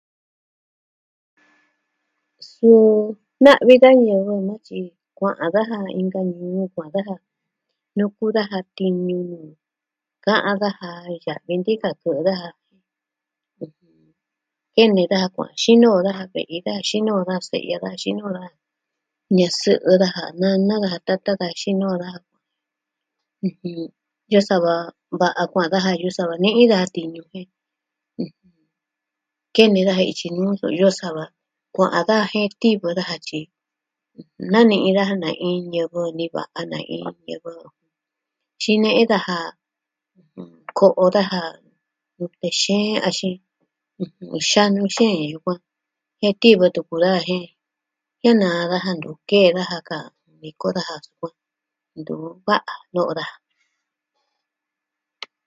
Suu, na'ni ka ñivɨ na tyi kua'an daja inka ñuu kua'an daja, nuku daja tiñu. Ka'an daja ku'e daja kene daja kua'an xinoo daja kue'e ka, xinoo da se'ya daja, xinoo daa. Nesɨ'ɨ daja ne nɨɨ toto ka da xinoo daja. ɨjɨn... iyo saa va va'a kua'an daja niyo da tiñu. ɨjɨn... kene daja ityi nuu iyo sava kua'an jen tivɨ daja tyi jen nuu niñɨ daja na'in ñivɨ niva'a na'in ñivɨ... xine'e daja ko'o daja nute xeen axin, xanu xeen yukuan. Jen tivɨ tuku daa jen... jen naa daja ntu ke'e daja ka niko daja sukuan. Ntu va'a no'o daa.